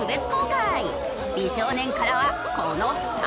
美少年からはこの２人。